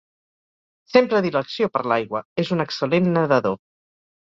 Sent predilecció per l'aigua, és un excel·lent nedador.